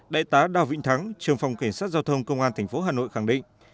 đại tá đào vĩnh thắng trường phòng cảnh sát giao thông công an tp hà nội khẳng định